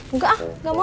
nggak ah gak mau